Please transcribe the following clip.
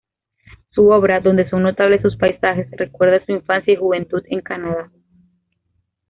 Su obra, donde son notables sus paisajes, recuerda su infancia y juventud en Canadá.